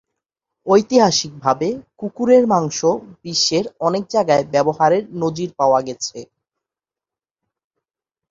ঐতিহাসিকভাবে, কুকুরের মাংস বিশ্বের অনেক জায়গায় ব্যবহারের নজির পাওয়া গেছে।